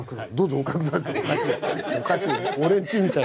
おかしい。